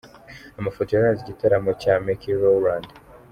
Amafoto yaranze igitaramo cya Meek Rowland.